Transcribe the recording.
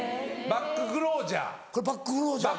バッグ・クロージャー